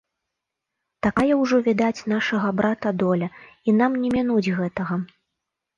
Такая ўжо, відаць, нашага брата доля, і нам не мінуць гэтага.